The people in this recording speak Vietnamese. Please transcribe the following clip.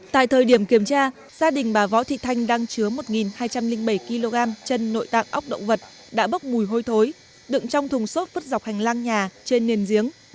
tại thời điểm kiểm tra gia đình bà võ thị thanh đang chứa một hai trăm linh bảy kg chân nội tạng ốc động vật đã bốc mùi hôi thối đựng trong thùng xốp vứt dọc hành lang nhà trên nền giếng